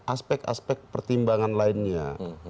aspek aspek pertimbangan lainnya